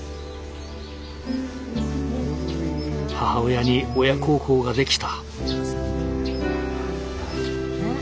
母親に親孝行ができた。